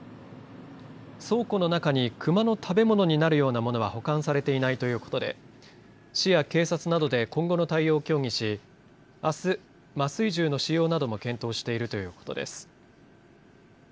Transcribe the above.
倉庫の中にクマの食べ物になるようなものは保管されていないということで市や警察などで今後の対応を協議し麻酔銃の使用なども検討しているということです。